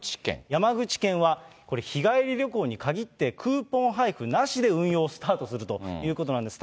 山口県は、これ、日帰り旅行に限って、クーポン配布なしで運用をスタートするということなんです。